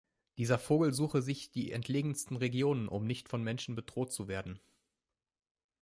Dieser Vogel suche sich die entlegensten Regionen, um nicht von Menschen bedroht zu werden.